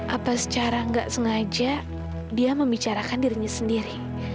apa secara nggak sengaja dia membicarakan dirinya sendiri